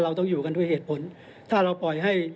เราต้องอยู่กันด้วยเหตุผลถ้าเราปล่อยให้